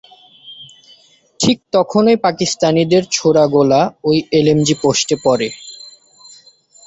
ঠিক তখনই পাকিস্তানিদের ছোড়া গোলা ওই এলএমজি পোস্টে পড়ে।